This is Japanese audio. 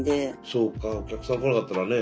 そうかお客さん来なかったらね。